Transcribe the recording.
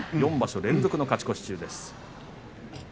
４場所連続の勝ち越し中です。